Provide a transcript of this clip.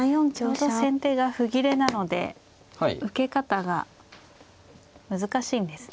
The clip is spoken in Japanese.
ちょうど先手が歩切れなので受け方が難しいんですね。